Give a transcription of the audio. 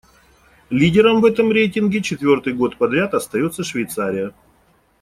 Лидером в этом рейтинге четвёртый год подряд остаётся Швейцария.